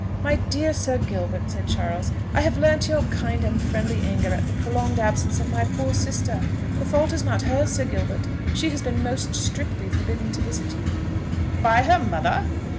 "My dear Sir Gilbert," said Charles, "I have learnt your kind and friendly anger at the prolonged absence of my poor sister. The fault is not hers, Sir Gilbert; she has been most strictly forbidden to visit you." "By her mother?"